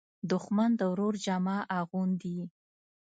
دښمن د ورور جامه اغوندي